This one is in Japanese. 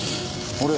あれ？